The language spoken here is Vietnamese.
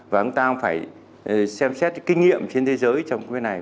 và chúng ta cũng phải xem xét cái kinh nghiệm trên thế giới trong cái này